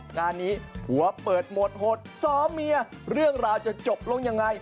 งานนี้ผัวเปิดหมดหดซ้อมเมียเรื่องราวจะจบลงยังไง